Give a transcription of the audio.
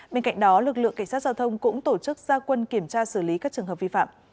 bên cạnh đó lực lượng cảnh sát giao thông cũng tổ chức gia quân kiểm tra xử lý các trường hợp vi phạm